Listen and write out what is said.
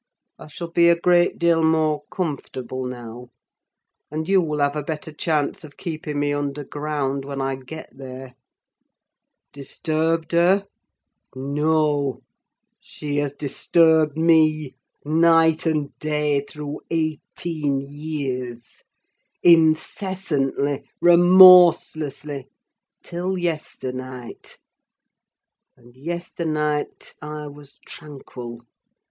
I shall be a great deal more comfortable now; and you'll have a better chance of keeping me underground, when I get there. Disturbed her? No! she has disturbed me, night and day, through eighteen years—incessantly—remorselessly—till yesternight; and yesternight I was tranquil.